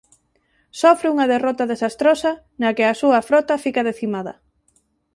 Sofre unha derrota desastrosa na que a súa frota fica decimada.